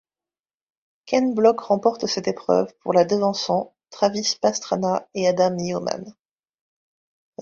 Ken Block remporte cette épreuve pour la devançant Travis Pastrana et Adam Yeoman.